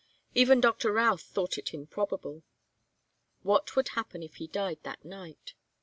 Even Doctor Routh thought it improbable. What would happen if he died that night?